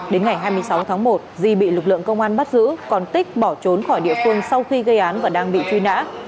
đến ngày hai mươi sáu tháng một di bị lực lượng công an bắt giữ còn tích bỏ trốn khỏi địa phương sau khi gây án và đang bị truy nã